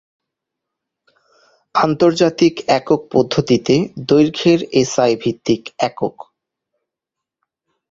আন্তর্জাতিক একক পদ্ধতিতে দৈর্ঘের এসআই ভিত্তিক একক।